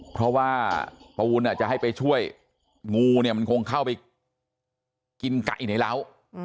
เพราะว่าปูนจะให้ไปช่วยงูเนี่ยมันคงเข้าไปกินไก่ในร้าว